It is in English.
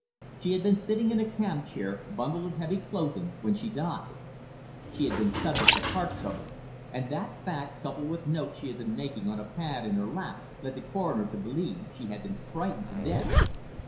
She had been sitting in a camp chair, bundled in heavy clothing, when she died. She had been subject to heart trouble and that fact, coupled with notes she had been making on a pad in her lap, led the coroner to believe she had been frightened to death.